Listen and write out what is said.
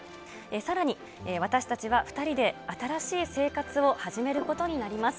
さらに、私たちは２人で新しい生活を始めることになります。